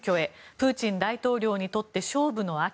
プーチン大統領にとって勝負の秋。